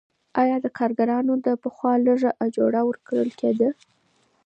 آیا کارګرانو ته پخوا لږه اجوره ورکول کیده؟